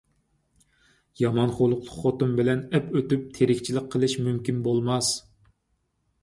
يامان خۇلقلۇق خوتۇن بىلەن ئەپ ئۆتۈپ تىرىكچىلىك قىلىش مۇمكىن بولماس!